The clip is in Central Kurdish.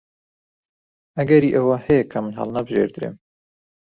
ئەگەری ئەوە هەیە کە من هەڵنەبژێردرێم.